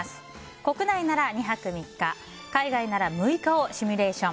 国内なら２泊３日海外なら６日をシミュレーション。